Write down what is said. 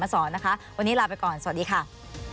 โปรดติดตามตอนต่อไป